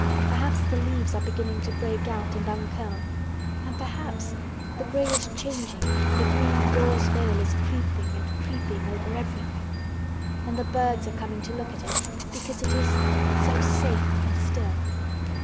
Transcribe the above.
Perhaps the leaves are beginning to break out and uncurl—and perhaps—the gray is changing and a green gauze veil is creeping—and creeping over—everything. And the birds are coming to look at it—because it is—so safe and still.